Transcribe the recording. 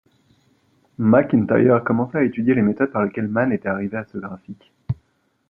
McIntyre commença à étudier les méthodes par lesquelles Mann était arrivé à ce graphique.